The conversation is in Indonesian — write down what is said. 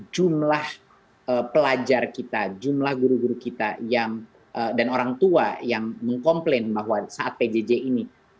jumlah pelajar kita jumlah guru guru kita dan orang tua yang mengkomplain bahwa saat pjj ini